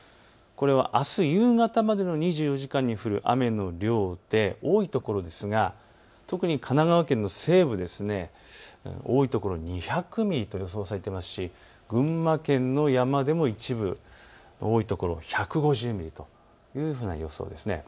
あす夕方までの２４時間に降る雨の量で多いところ、特に神奈川県の西部、多い所、２００ミリと予想されていますし群馬県の山でも一部多いところ、１５０ミリというような予想です。